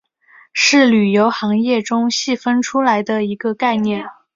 是旅游行业中细分出来的一个概念。